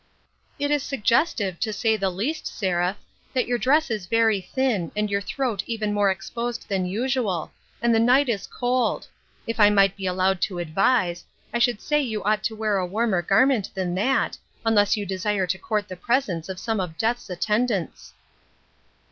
" It is suggestive, to say the least, Seraph, that your dress is very thin, and your throat even more THE WISDOM OF Til 13 WORLD. l6l exposed than usual ; and the night is cold. If I might be allowed to advise, I should say you ought to wear a warmer garment than that, unless you desire to court the presence of some of Death's attendants."